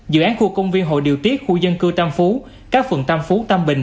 dự án khu công viên hội điều tiết khu dân cư tam phú các phường tam phú tam bình